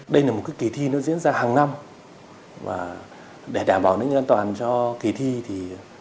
đây là một cái kỳ thi nó diễn ra hàng năm và để đảm bảo an ninh an toàn cho kỳ thi thì